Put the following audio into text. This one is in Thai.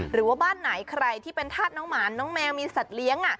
หรือว่าบ้านไหนใครที่เป็นธาตุน้องหมานน้องแมวมีสัตว์เลี้ยง